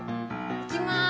いきます。